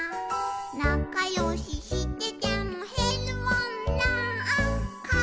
「なかよししててもへるもんなー」